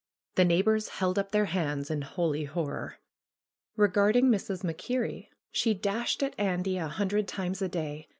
The neighbors held up their hands in holy horror. Kegarding Mrs. MacKerrie, she dashed at Andy a hundred times a day.